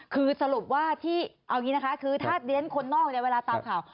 คือสรุปว่าที่เอาอย่างนี้นะคะคือถ้าเรียนคนนอกเนี่ยเวลาตามข่าว